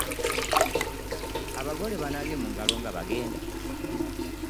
Abagole banaabye mungalo nga bagenda?